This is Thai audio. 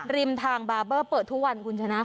ริมทางบาร์เบอร์เปิดทุกวัน